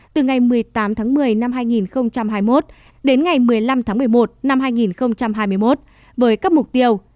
từ ngày một mươi tám tháng một mươi năm hai nghìn hai mươi một đến ngày một mươi năm tháng một mươi một năm hai nghìn hai mươi một với các mục tiêu